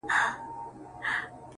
o جنگ پر شدياره ښه دئ، نه پر خاوره.